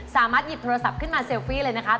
สามารถหยิบโทรศัพท์ขึ้นมาเซลฟี่เลยนะคะ